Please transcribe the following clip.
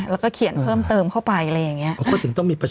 แล้วก็เขียนเพิ่มเติมเข้าไปอะไรอย่างนี้